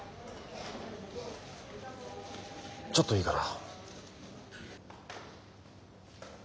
ちょっといいかな？